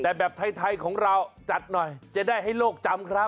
แต่แบบไทยของเราจัดหน่อยจะได้ให้โลกจำครับ